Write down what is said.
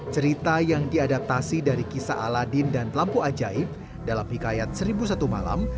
cerita yang diadaptasi dari kisah aladin dan lampu ajaib dalam hikayat seribu satu malam